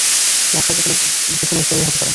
নকশা যে কোনো স্তরের হতে পারে।